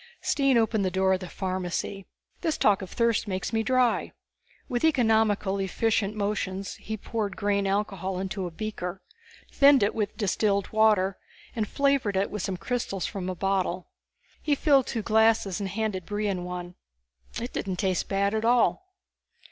Stine opened the door of the pharmacy. "This talk of thirst makes me dry." With economically efficient motions he poured grain alcohol into a beaker, thinned it with distilled water and flavored it with some crystals from a bottle. He filled two glasses and handed Brion one. It didn't taste bad at all.